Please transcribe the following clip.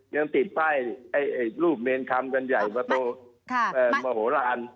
ยังติดป้ายรูปเมนคำกันใหญ่ประตูมโหลาน